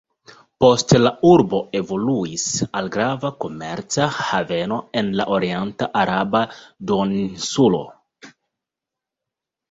Poste la urbo evoluis al grava komerca haveno en la orienta araba duoninsulo.